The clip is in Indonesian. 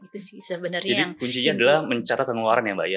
jadi kuncinya adalah mencatat pengeluaran ya mbak ya